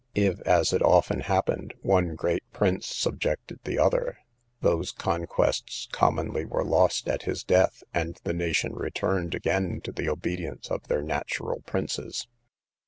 If, as it often happened, one great prince subjected the other, those conquests commonly were lost at his death, and the nation returned again to the obedience of their natural princes.